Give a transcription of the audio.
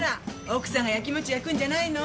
奥さんが焼きもち焼くんじゃないの？